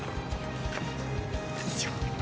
よいしょ。